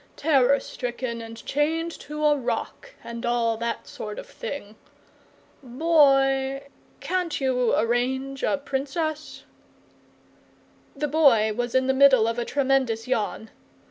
Terror stricken and chained to a rock, and all that sort of thing. Boy, can't you arrange a Princess?" The Boy was in the middle of a tremendous yawn.